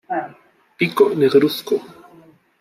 Pico negruzco.